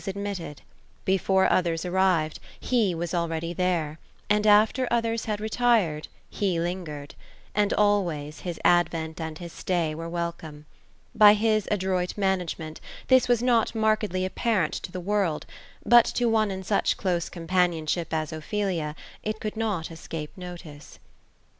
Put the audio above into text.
243 admitted ; before others arrived, he was already there; and after others had retired, he lingered; and always, his advent and his stay were wel come. By his adroit management, this was not markedly apparent to the world ; but to one in such close companionship as Ophelia, it could not escape notice.